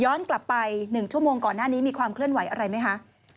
กลับไป๑ชั่วโมงก่อนหน้านี้มีความเคลื่อนไหวอะไรไหมคะ